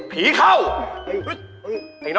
ผีเข้า